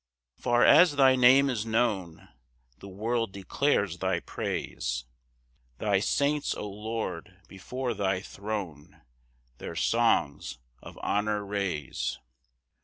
1 Far as thy name is known The world declares thy praise; Thy saints, O Lord, before thy throne Their songs of honour raise.